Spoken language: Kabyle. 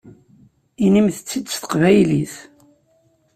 Inimt-t-id s teqbaylit!